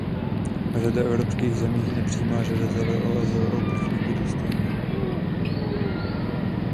Řada evropských zemí nepřijímá žadatele o azyl a uprchlíky důstojně.